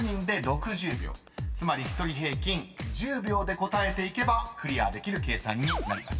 ［つまり１人平均１０秒で答えていけばクリアできる計算になります。